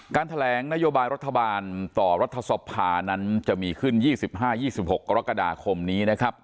แถลงนโยบายรัฐบาลต่อรัฐสภานั้นจะมีขึ้น๒๕๒๖กรกฎาคมนี้นะครับ